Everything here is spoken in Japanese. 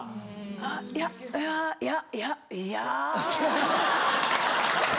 あっいやいやいやいやいや。